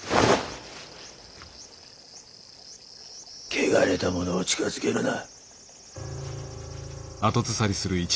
汚れた者を近づけるな。